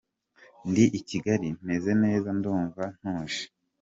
Y: Ndi i Kigali, meze neza ndumva ntuje.